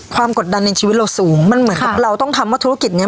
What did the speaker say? กดดันในชีวิตเราสูงมันเหมือนกับเราต้องทำว่าธุรกิจเนี้ย